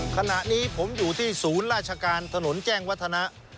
ขณะนี้ผมอยู่ที่ศูนย์ราชการถนนแจ้งวัฒนะ